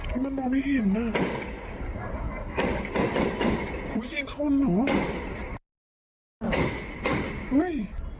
ฮู้มันมองมิอิ่มอ่ะอุ้ยยิงเข้าหนูอุ้ย